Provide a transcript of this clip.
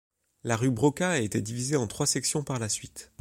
La rue Broca a été divisée en trois sections par la suite.